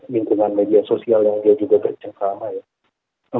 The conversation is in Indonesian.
lingkungan media sosial yang dia juga bercengkrama ya